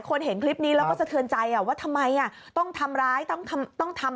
เห็นคลิปนี้แล้วก็สะเทือนใจว่าทำไมต้องทำร้ายต้องทำ